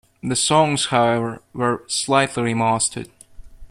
The songs, however, were slightly remastered.